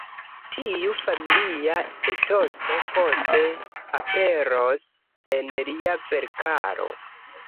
Tiu familia etoso poste aperos en lia verkaro.